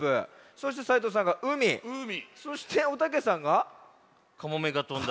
そして斉藤さんが「うみ」そしておたけさんが「カモメが飛んだ」。